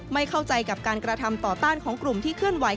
ไม่เข้าใจกับการกระทำต่อต้านของกลุ่มที่เคลื่อนไหว